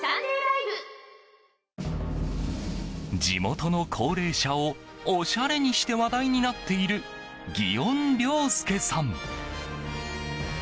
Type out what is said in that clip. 地元の高齢者をおしゃれにして話題になっている祇園涼介さん。